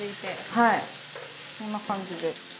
はいこんな感じで。